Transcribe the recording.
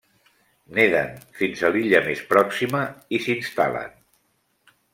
Neden fins a l'illa més pròxima i s'instal·len.